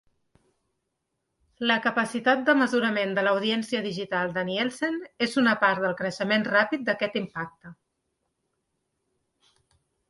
La capacitat de mesurament de l'audiència digital de Nielsen és una part del creixement ràpid d'aquest impacte.